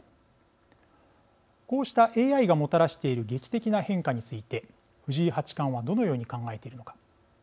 こうしたＡＩがもたらしている劇的な変化について藤井八冠はどのように考えているのか。